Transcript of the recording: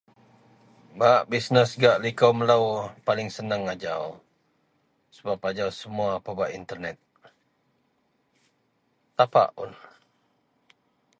bak bisness gak likou melou paling senang ajau sebab ajau semua pebak internate, tapak un